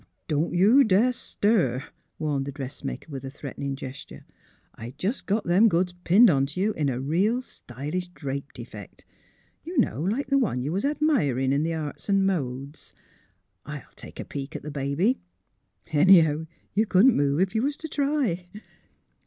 " Don't you das t' stir," warned the dress maker, with a threatening gesture; " I jest got them goods pinned onto you in a real stylish draped effect. You know; like the one you was MALVINA BENNETT, DEESSMAKER 73 admirin' 'n the Arts an' Modes. I'll take a peek at tlie baby. Anyhow, you couldn't move if you was to try."